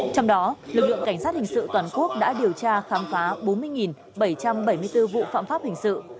trong đó lực lượng cảnh sát hình sự toàn quốc đã điều tra khám phá bốn mươi bảy trăm bảy mươi bốn vụ phạm pháp hình sự